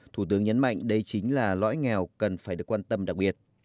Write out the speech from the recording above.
thủ tướng nhấn mạnh đây chính là lõi nghèo cần phải được quan tâm đặc biệt